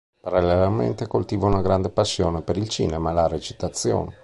Parallelamente coltiva una grande passione per il cinema e la recitazione.